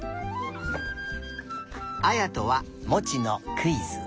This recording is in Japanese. あやとはモチのクイズ！